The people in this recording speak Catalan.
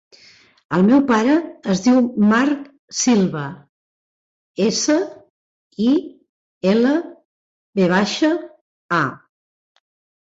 El meu pare es diu Marc Silva: essa, i, ela, ve baixa, a.